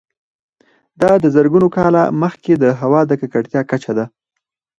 دا د زرګونه کاله مخکې د هوا د ککړتیا کچه ده